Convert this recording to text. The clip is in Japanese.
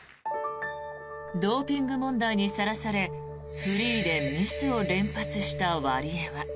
ドーピング問題にさらされフリーでミスを連発したワリエワ。